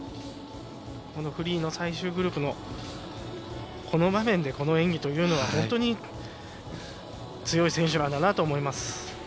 このフリーの最終グループのこの場面でこの演技というのは本当に強い選手なんだなと思います。